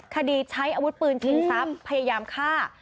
คดีใช้อาวุธปืนชิงทรัพย์พยายามฆ่า